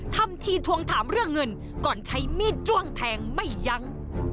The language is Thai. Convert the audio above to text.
ทำทีทวงถามเรื่องเงินก่อนใช้มีดจ้วงแทงไม่ยั้ง